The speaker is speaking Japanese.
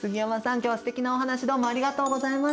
今日はすてきなお話どうもありがとうございました。